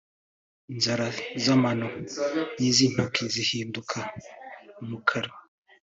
Inzara z’amano n’iz’intoki zihinduka umukara